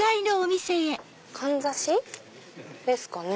かんざしですかね？